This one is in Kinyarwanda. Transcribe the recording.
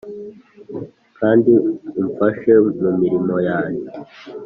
kandi umfashe mu mirimo yanjye